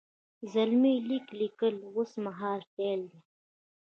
زلمی لیک لیکي اوس مهال فعل دی.